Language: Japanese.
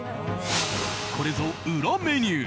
これぞ裏メニュー。